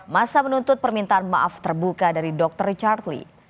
masa menuntut permintaan maaf terbuka dari dr richard lee